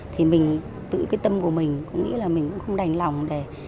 thì mình tự cái tâm của mình cũng nghĩ là mình cũng không đành lòng